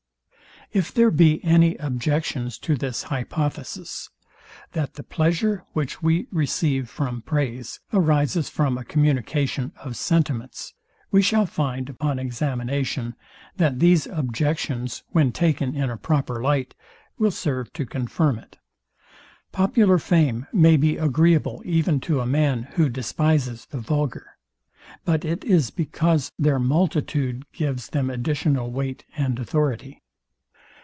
If there be any objections to this hypothesis, THAT THE PLEASURE, WHICH WE RECEIVE FROM PRAISE, ARISES FROM A COMMUNICATION OF SENTIMENTS, we shall find, upon examination, that these objections, when taken in a proper light, will serve to confirm it. Popular fame may be agreeable even to a man, who despises the vulgar; but it is because their multitude gives them additional weight and authority.